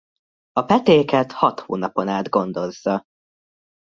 A petéket hat hónapon át gondozza.